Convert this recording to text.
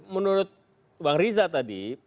menurut bang riza tadi